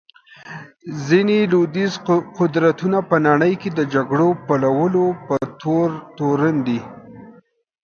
ځینې لوېدیځ قدرتونه په نړۍ کې د جګړو بلولو په تور تورن دي.